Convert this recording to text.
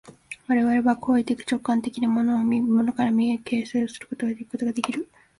我々は行為的直観的に物を見、物を見るから形成するということができる。